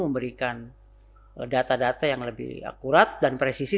memberikan data data yang lebih akurat dan presisi